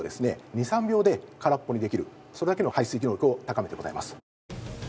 ２３秒で空っぽにできるそれだけの排水能力を高めてございます。